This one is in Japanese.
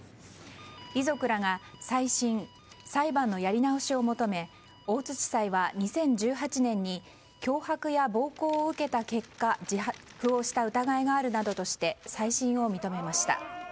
遺族らが再審・裁判のやり直しを求め大津地裁は２０１８年に脅迫や暴行を受けた結果自白をした疑いがあるなどとして再審を認めました。